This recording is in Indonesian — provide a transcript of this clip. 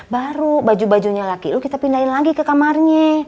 baru baju bajunya lagi kita pindahin lagi ke kamarnya